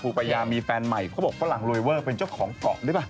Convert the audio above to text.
ปัญญามีแฟนใหม่เขาบอกฝรั่งโรยเวอร์เป็นเจ้าของเกาะหรือเปล่า